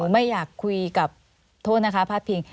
ไม่อยากคุยกับโทษนะคะพาดพิง